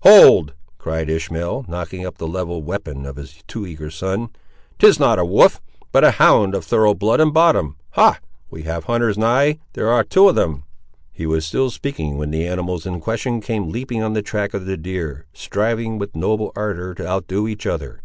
"Hold!" cried Ishmael, knocking up the levelled weapon of his too eager son. "'Tis not a wolf; but a hound of thorough blood and bottom. Ha! we have hunters nigh: there ar' two of them!" He was still speaking, when the animals in question came leaping on the track of the deer, striving with noble ardour to outdo each other.